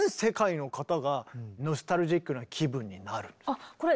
あっこれ